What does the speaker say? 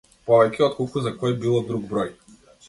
Повеќе отколку за кој било друг број.